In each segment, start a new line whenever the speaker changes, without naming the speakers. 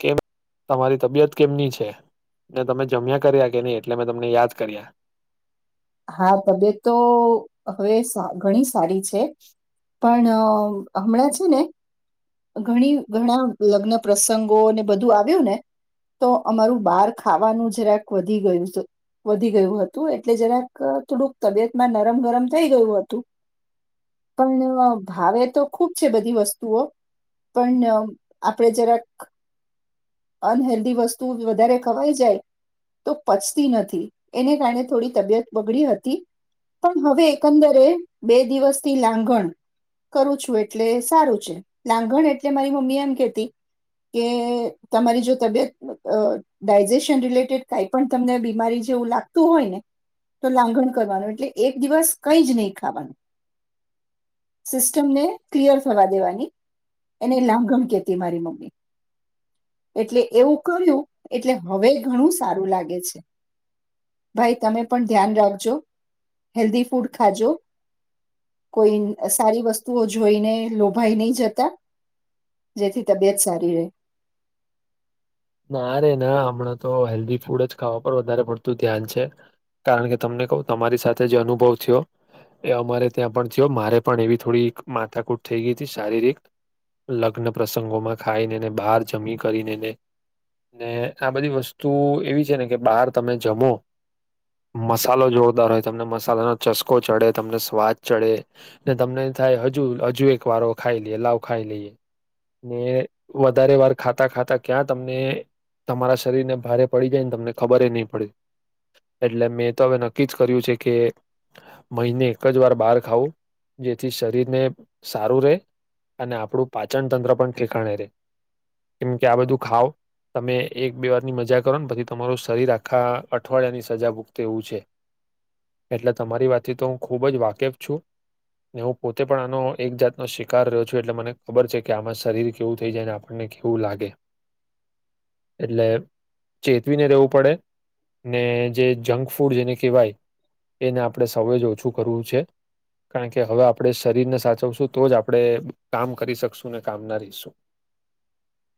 કેમ તમારી તબિયત કેમની છે ને તમે જમ્યા કર્યા કે નહી એટલે મેં તમને યાદ કર્યા.
હા તબિયત તો હવે ઘણી સારી છે પણ હમણાં છે ને ઘણી ઘણા લગ્ન પ્રસંગોને બધું આવ્યું ને તો અમારું બાર ખાવાનું જરાક વધી ગયું વધી ગયું હતું એટલે જરાક થોડુંક તબિયત માં નરમ ગરમ થઈ ગયું હતું. પણ ભાવે તો ખૂબ છે બધી વસ્તુઓ પણ આપણે જરાક અનહેેલ્ધી વસ્તુ વધારે ખવાઈ જાય તો પચતી નથી એને કારણે થોડી તબિયત બગડી હતી પણ હવે એકંદરે બે દિવસથી લાંગણ કરું છું એટલે સારું છે લાંગણ એટલે મારી મમ્મી એમ કેતી કે તમારી જો તબિયત ડાયજેશન રિલેટેડ કઈ પણ તમને બીમારી જેવું લાગતું હોય ને તો લાંગણ કરવાનું એટલે એક દિવસ કઈ જ નહી ખાવાનું સિસ્ટમને ક્લિયર થવા દેવાની એને લાંગણ કેતી મારી મમ્મી એટલે એવું કર્યું એટલે હવે ઘણું સારું લાગે છે ભાઈ તમે પણ ધ્યાન રાખજો હેલ્ધી ફૂડ ખાજો કોઈ સારી વસ્તુઓ જોઈને લોભાઈ નહી જતા જેથી તબિયત સારી રહે.
ના રે ના હમણાં તો હેલ્ધી ફૂડ જ ખાવા પર વધારે પડતું ધ્યાન છે કારણ કે તમને કહું તમારી સાથે જે અનુભવ થયો એ અમારે ત્યાં પણ થયો મારે પણ એવી થોડી માથાકૂટ થઈ ગઈ હતી શારીરિક લગ્ન પ્રસંગોમાં ખાઈનેને બહાર જમી કરીને ને ને આ બધી વસ્તુ એવી છે ને કે બહાર તમે જમો મસાલો જોરદાર હોય તમને મસાલાનો ચસ્કો ચડે તમને સ્વાદ ચડે ને તમને થાય હજુ હજુ એક વાર ખાઈ લઈએ લાવ ખાઈ લઈએ ને વધારે વાર ખાતા ખાતા ક્યાં તમ તમારા શરીરને ભારે પડી જાય ને તમને ખબર નહીં પડી એટલે મેં તો હવે નક્કી જ કર્યું છે કે મહિને એક જ વાર બહાર ખાવું જેથી શરીરને સારું રે અને આપણું પાચન તંત્ર પણ ઠેકાણે રહેે કેમ કે આ બધું ખાવ તમે એક બે વારની મજા કરો ને પછી તમારું શરીર આખા અઠવાડિયાની સજા ભૂગતે એવું છે, એટલે તમારી વાતથી તો હું ખૂબ જ વાકેફ છું ને હું પોતે પણ આનો એક જાતનો શિકાર રહ્યો છું, એટલે મને ખબર છે કે આમાં શરીર કેવું થઈ જાય આપણને કેવું લાગે. એટલે ચેતવીને રેવું પડે ને જે જંક ફૂડ જેને કહેવાય એને આપણે સૌ જ ઓછું કરવું છે, કારણ કે હવે આપણે શરીરને સાચવશું તો જ આપણે કામ કરી શકશું ને કામના રહીશું,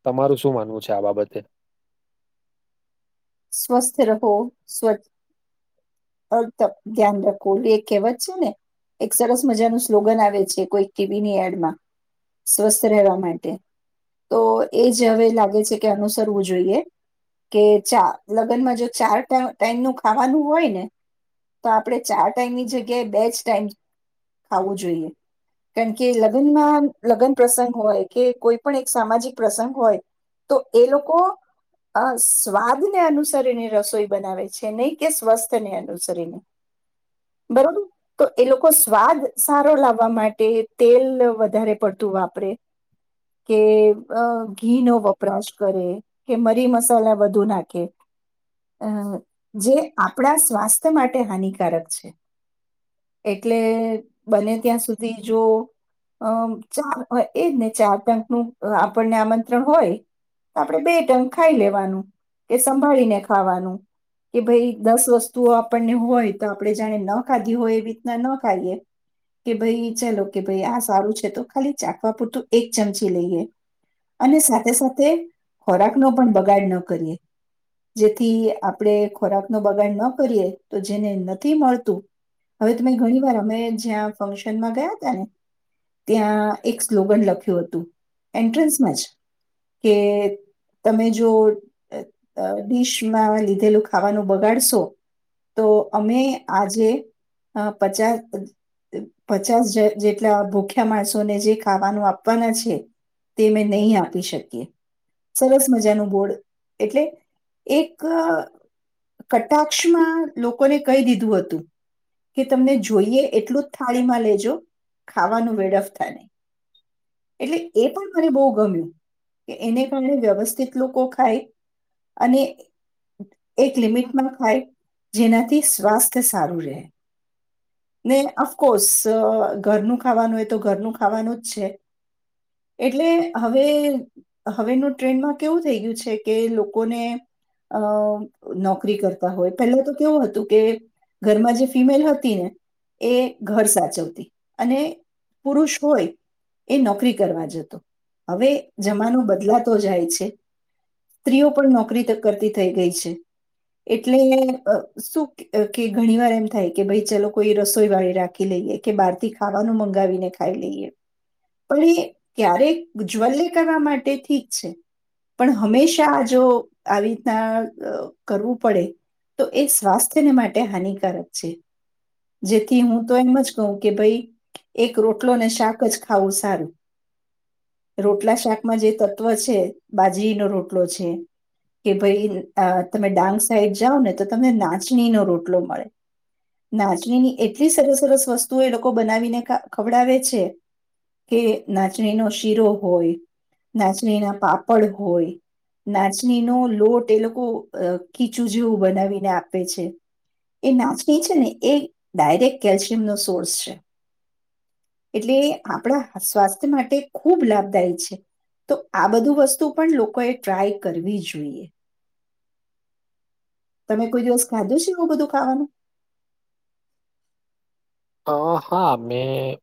તમારું શું... માનવું છે આ બાબતે.
સ્વસ્થ રહો સ્વચ્છ... અથ ધ્યાન રાખો એટલે એક કહેવત છે ને એક સરસ મજાનું સ્લોગન આવે છે, કોઈ ટીવીની એડમાં સ્વસ્થ રહેવા માટે, તો એ જ હવે લાગે છે કે અનુસરવું જોઈએ કે ચા લગ્નમાં જો ચાર ટાઈમ ટાઈમનું ખાવાનું હોય ને... તો આપણે ચાર ટાઈમની જગ્યાએ બે જ ટાઈમ ખાવું જોઈએ, કારણ કે લગ્નમાં લગ્ન પ્રસંગ હોય કે કોઈ પણ એક સામાજિક પ્રસંગ હોય તો એ લોકો સ્વાદને અનુસર એની રસોઈ બનાવે છે, નહીં કે સ્વસ્થ... તેને અનુસરીને, બરોબર તો એ લોકો સ્વાદ સારો લાવવા માટે તેલ વધારે પડતું વાપરે કે ઘી નો વપરાશ કરે કે મરી મસાલા વધુ નાખે અ જે આપ પણા સ્વાસ્થ્ય માટે હાનિકારક છે, એટલે... બને ત્યાં સુધી જો... અમ ચાર એજ ને ચાર ટંક નું આપણને આમંત્રણ હોય તો આપણે બે ટંક ખાઈ લેવાનું કે સંભાળીને ખાવાનું કે ભઈ... દસ વસ્તુઓ આપણને હોય તો આપણે જાણે ન ખાધી હોય એવી રીતના ન ખાઈએ કે ભઈ ચલો કે ભાઈ આ સારું છે તો ખાલી ચાખવા પૂરતું એક ચમચી લઈએ અને સાથે સાથે ખોરાકનો પણ બગાડ ન કરીએ, જેથી આપણે ખોરાક... ન બગાડ ન કરીએ તો જેને નથી મળતું હવે તમે ઘણી વાર અમે જ્યાં ફંક્શનમાં ગયા હતા ને ત્યાં એક સ્લોગન લખ્યું હતું, એન્ટ્રન્સમાં જ કે તમે જો ડડીશમાં લીધેલું ખાવાનું... બગાડશો તો અમે આજે પચાસ પચાસ જેટલા ભૂખ્યા માણસોને જે ખાવાનું આપવાના છે, તે અમે નહીં આપી શકીએ, સરસ મજાનું બોડ એટલે એક... કટાક્ષમાં લોકોને કહી દીધું હતું કે તમને જોઈએ એટલું જ થાળીમાં લેજો ખાવાનું વેડફતા નહી, એટલે એ પણ મને બહુ ગમ્યું કે એને કારણે વ્યવસ્થિત લોકો ખાય અને એક લિમિટ... ન ખાય જેનાથી સ્વાસ્થ્ય સારું રહે ને અફકોર્સ ઘરનું ખાવાનું એ તો ઘરનું ખાવાનું જ છે, એટલે હવે હવેનું ટ્રેન્ડમાં કેવું થઈ ગયું છે કે લોકોને અ ન બી કરતા હોય, પહેલા તો કેવું હતું કે ઘરમાં જે ફિમેલ હતી ને એ ઘર સાચવતી અને પુરુષ હોય એ નોકરી કરવા જતો, હવે જમાનો બદલાતો જાય છે, સ્ત્રીઓ પણ નોકરી કરતી થઈ ગઈ છે. એટલે અ શું કે અ કે ઘણી વાર એમ થાય કે ભઈ ચલો કોઈ રસોઈ વાળી રાખી લઈએ કે બહાર થી ખાવાનું મંગાવીને ખાઈ લઈએ, પણ એ ક્યારેક ઉજ્જ્વલે કરવા માટે ઠીક છે, પણ હંમેશા જો આવી રીતના અ કરવું... પડે તો એ સ્વાસ્થ્યને માટે હાનિકારક છે, જેથી હું તો એમ જ કહું કે ભાઈ એક રોટલો ને શાક જ ખાવું સારું રોટલા શાકમાં જે તત્વ છે, બાજરીનો રોટલો છે કે ભાઈ અ તમે ડાંગ... સાઈડ જાઓ ને તો તમને નાચલીનો રોટલો મળે, નાચલીની એટલી સરસ સરસ વસ્તુઓ એ લોકો બનાવીને ખવડાવે છે, કે નાચલીનો શીરો હોય, નાચલીના પાપડ હોય, નાચલીનો લોટ એ લોકો... કીચું જેવું બનાવીને આપે છે, એ નાચલી છે ને એ ડાયરેક્ટ કેલ્શિયમનો સોર્સ છે. એટલે આપણા સ્વાસ્થ્ય માટે ખૂબ લાભદાયી છે, તો આ બધું વસ્તુ પણ લોકોએ ટ્રાય કરવી જોઈએ, તમે કોઈ દિવસ ખાધો છે એવું બધું ખાવાનું.
અ હા મેં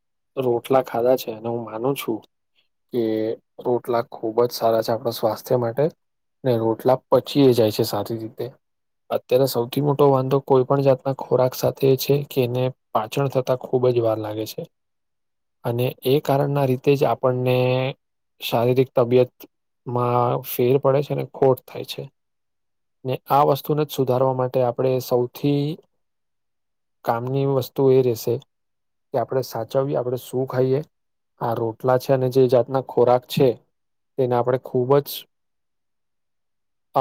રોટલા ખાધા છે, અને હું માનું છું કે રોટલા ખુબ જ સારા છે આપણા સ્વાસ્થ્ય માટે, ને રોટલા પચી એ જાય છે સારી રીતે, અત્યારે સૌથી મોટો વાંધો કોઈ પણ જાતના ખોરાક સાથે છે કે એને... પાચન થતા ખુબ જ વાર લાગે છે, અને એ કારણના લીધે જ આપણને શારીરિક તબિયતમાં ફેર પડે છે અને ખોટ થાય છે, ને આ વસ્તુને જ સુધારવા માટે આપણે સૌથી કામની વસ તો એ રહેશે કે આપણે સાચવીએ આપણે શું ખાઈએ આ રોટલા છે, અને જે જાતના ખોરાક છે, તેને આપણે ખૂબ જ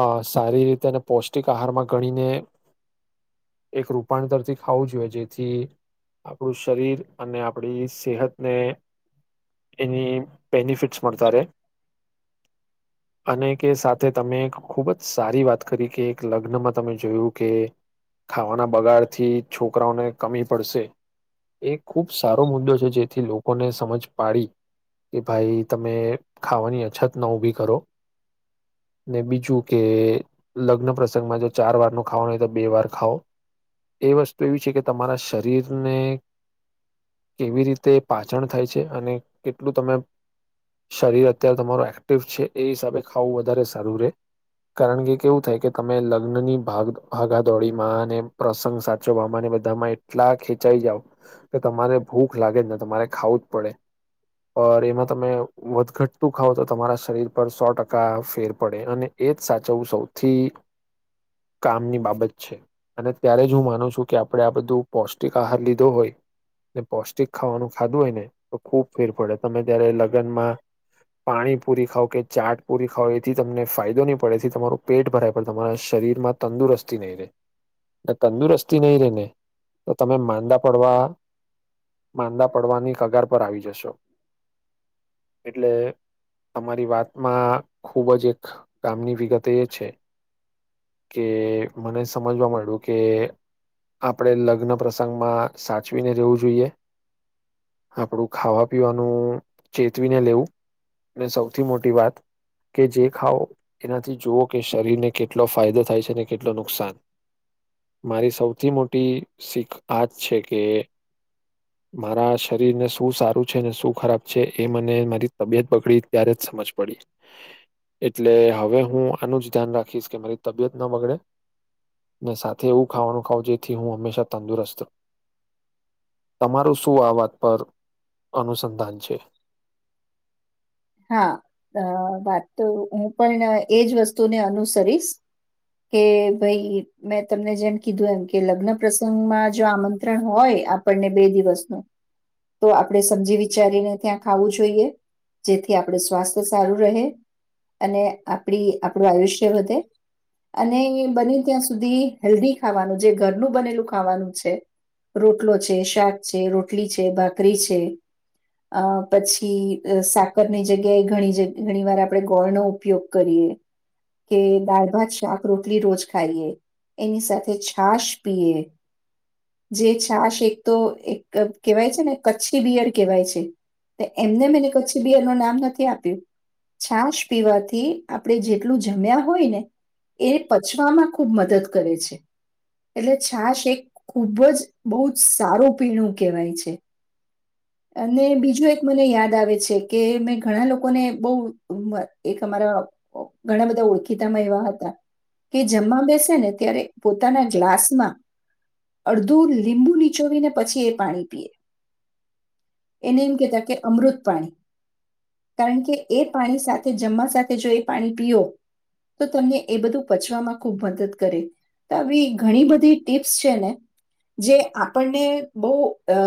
આ સારી રીતે અને પૌષ્ટિક આહારમાં ગણીને એક રૂપાંતરથી ખાવું જોઈએ જે... થી આપણું શરીર અને આપડી સેહતને એની બેનિફિટ્સ મળતા રહે અને કે સાથે તમે ખૂબ જ સારી વાત કરી કે એક લગ્નમાં તમે જોયું કે ખાવાના બગાડથી છોકરાઓને... કમી પડશે એ ખૂબ સારો મુદ્દો છે, જેથી લોકોને સમજ પાડી કે ભાઈ તમે ખાવાની અછત ના ઊભી કરો, ને બીજું કે લગ્ન પ્રસંગમાં જો ચાર વાર નું ખાવાનું હોય તો બે વાર ખાઓ, એ વસ્તુ એવી છે કે... તમારા શરીરને કેવી રીતે પાચન થાય છે, અને કેટલું તમે શરીર અત્યારે તમારું એક્ટિવ છે, એ હિસાબે ખાવું વધારે સારું રહે, કારણ કે કેવું થાય કે તમે લગ્નની ભાગ ભાગાદોડીમાં અને પ્રસંગ સાચવવામાં ને બ બધામાં એટલા ખેચાઈ જાવ કે તમારે ભૂખ લાગે જ ને તમારે ખાવું જ પડે પર એમાં તમે વધઘટતું ખાવ તો તમારા શરીર પર સો ટકા ફેર પડે અને એજ સાચવવું સૌથી કામની બાબત છે, અને ત્યારે જ હું માનું છું કે આપ આપણે આ બધું પૌષ્ટિક આહાર લીધો હોય ને પૌષ્ટિક ખાવાનું ખાધું હોય ને તો ખૂબ ફેર પડે, તમે ત્યારે લગ્નમાં પાણીપુરી ખાવ કે ચાટ પુરી ખાવ એથી તમને ફાયદો નહીં પડે, એથી તમારું પેટ ભરાય પણ તમારા શરીરમાં તંદુરસ્તી નહીં રહે, ને તંદુરસ્તી નહીં રહેને... તો તમે માંદા પડવા માંદા પડવાની કગાર પર આવી જશો, એટલે તમારી વાતમાં ખુબ જ એક કામની વિગત એ છે કે મને સમજવા માંયડુ કે... આપણે લગ્ન પ્રસંગમાં સાચવીને રહેેવું જોઈએ આપણું ખાવા પીવાનું ચેતવીને લેવું, અને સૌથી મોટી વાત કે જે ખાવ એનાથી જુઓ કે શરીરને કેટલો ફાયદો થાય છે, અને કેટલો નુકસાન, મારી સૌ થી મોટી શીખ આજ છે, કે મારા શરીરને શું સારું છે શું ખરાબ છે એ મને મારી તબિયત બગડી ત્યારે જ સમજ પડી, એટલે હવે હું આનું જ ધ્યાન રાખીશ કે મારી તબિયત ના બગડે ને સાથે એવું ખાવાનું... ખવ જેથી હું હંમેશા તંદુરસ્ત, તમારું શું આ વાત પર અનુસંધાન છે.
હા વાત તો હું પણ એજ વસ્તુને અનુસરીશ કે ભાઈ મેં તમને જેમ કીધું એમ કે લગ્ન પ્રસંગમાં જો આમંત્રણ હોય આપણને બે દિવસનું, તો આપણે સમજી વિચારીને ત્યાં ખાવું જોઈએ. જેથી આપણું સ્વાસ્થ્ય સારું રહે અને આપડી આપણું આયુષ્ય વધે અને બને ત્યાં સુધી હેલ્ધી ખાવાનું જે ઘરનું બનેલું ખાવાનું છે, રોટલો છે, શાક છે, રોટલી છે, ભાકરી છે, અ પછી શાક... રની જગ્યાએ ઘણી જગ ઘણી વાર આપણે ગોળનો ઉપયોગ કરીએ, કે દાળ ભાત શાક રોટલી રોજ ખાઈએ એની સાથે છાશ પીએ, જે છાશ એક તો એક કેહેવાય છે ને કચ્છી બિયર કહેવાય છે, તે એમનેમ એને કચ્છી... બિયરનું નામ નથી આપ્યું, છાશ પીવાથી આપણે જેટલું જમ્યા હોય ને એ પચવામાં... ખૂબ મદદ કરે છે, એટલે છાશ એક ખૂબ જ બહુ જ સારું પીણું કહેવાય છે, અને બીજું એક મને યાદ આવે છે... કે મેં ઘણા લોકોને બહુ એક અમારા ઘણા બધા ઓળખીતામાં એવા હતા કે જમવા બેસે ને ત્યારે પોતાના ગ્લાસમાં અડધું લીંબુ નીચોવીને પછી એ પાણી પીએ, એને એમ કેહેતા કે અમૃત પાણી... કારણ કે એ પાણી સાથે જમવા સાથે જો એ પાણી પીઓ તો તમને એ બધું પચવામાં ખૂબ મદદ કરે તો આવી ઘણી બધી ટીપ્સ છે ને જે આપણને બહુ અ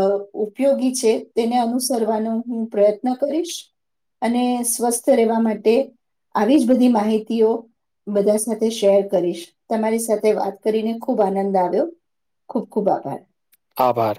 ઉપયોગી છે, તેને અનુસરવાનો હું પ્રયત્ન... કરીશ અને સ્વસ્થ રહેવા માટે આવી જ બધી માહિતીઓ બધા સાથે શેર કરીશ, તમારી સાથે વાત કરીને ખૂબ આનંદ આવ્યો, ખૂબ ખૂબ આભાર.
આભાર.